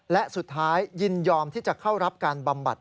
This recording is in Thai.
และสุดท้ายยินยอมที่จะเข้ารับการบำบัด